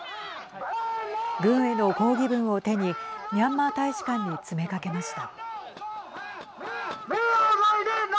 軍への抗議文を手にミャンマー大使館に詰めかけました。